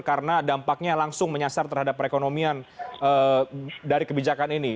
karena dampaknya langsung menyasar terhadap perekonomian dari kebijakan ini